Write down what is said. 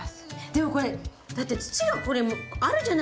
でもこれだって土がこれあるじゃないですか。